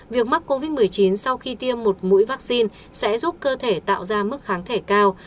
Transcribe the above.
việc mắc covid một mươi chín sau khi tiêm một mũi vaccine sẽ giúp cơ thể tạo ra mức kháng thể cao